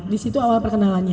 di situ awal perkenalannya